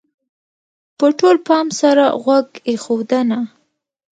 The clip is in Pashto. -په ټول پام سره غوږ ایښودنه: